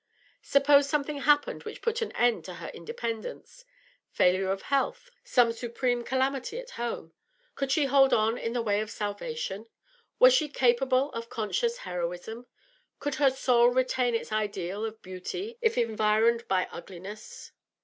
Suppose something happened which put an end to her independence failure of health, some supreme calamity at home could she hold on in the way of salvation? Was she capable of conscious heroism? Could her soul retain its ideal of beauty if environed by ugliness?